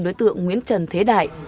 đối tượng nguyễn trần thế đại